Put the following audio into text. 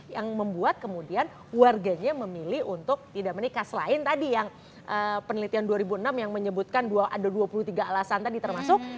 yang membuat kemudian warganya memilih untuk tidak menikah selain tadi yang penelitian dua ribu enam yang menyebutkan ada dua puluh tiga alasan tadi termasuk